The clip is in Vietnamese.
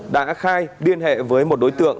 đã khai điên hệ với một đối tượng